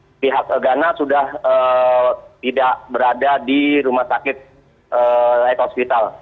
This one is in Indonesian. yang pihak gegana sudah tidak berada di rumah sakit ek hospital